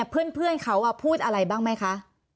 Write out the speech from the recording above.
เพื่อนเขาพูดอะไรบ้างไหมคะ